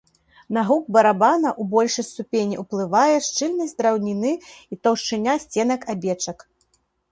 На гук барабана ў большай ступені ўплывае шчыльнасць драўніны і таўшчыня сценак абечак.